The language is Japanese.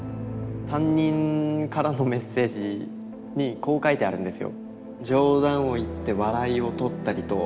担任からのメッセージにこう書いてあるんですよ。